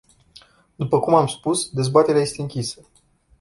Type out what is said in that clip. După cum am spus, dezbaterea este închisă.